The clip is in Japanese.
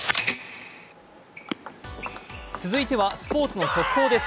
続いてはスポーツの速報です。